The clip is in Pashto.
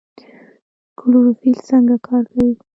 کلوروفیل څنګه کار کوي؟